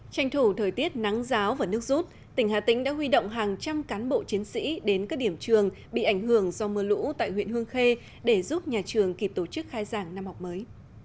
tranh thủ thời tiết nắng giáo và nước rút tỉnh hà tĩnh đã huy động hàng trăm cán bộ chiến sĩ đến các điểm trường bị ảnh hưởng do mưa lũ tại huyện hương khê để giúp nhà trường kịp tổ chức khai giảng năm học mới